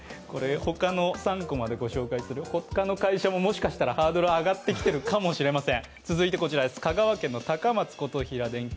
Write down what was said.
他の３コマでご紹介する他の会社も、もしかしたらハードル上がってきてるかもしれません。